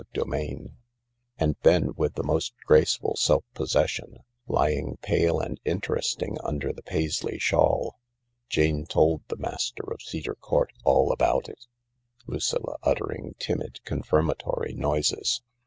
CHAPTER VI And then with the most graceful self possession, lying pale and interesting under the Paisley shawl, Jane told the master of Cedar Court all about it, Lucilla uttering timid con firmatory noises.